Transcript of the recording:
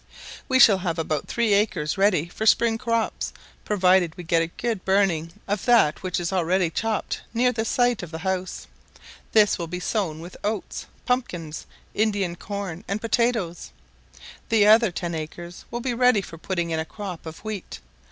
We shall have about three acres ready for spring crops, provided we get a good burning of that which is already chopped near the site of the house, this will be sown with oats, pumpkins, Indian corn, and potatoes: the other ten acres will be ready for putting in a crop of wheat.